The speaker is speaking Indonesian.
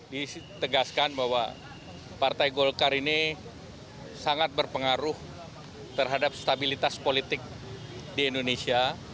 ditegaskan bahwa partai golkar ini sangat berpengaruh terhadap stabilitas politik di indonesia